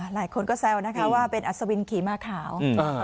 หลายคนก็แซวว่าเป็นอสวินขีมาขาว